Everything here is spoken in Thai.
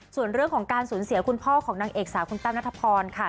ส่วนเรื่องของการสูญเสียคุณพ่อของนางเอกสาวคุณแต้วนัทพรค่ะ